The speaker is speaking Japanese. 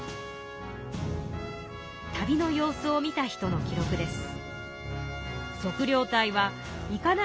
旅の様子を見た人の記録です。